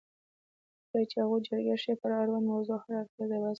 کله چې هغوی جرګه شي پر اړونده موضوع هر اړخیز بحث کوي.